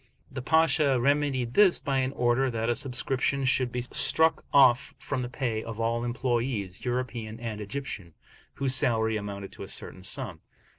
The Pasha remedied this by an order that a subscription should be struck off from the pay of all employes, European and Egyptian, whose salary amounted to a certain sum.